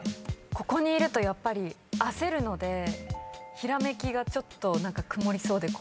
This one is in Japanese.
ここにいるとやっぱり焦るのでひらめきがちょっと曇りそうで怖いです。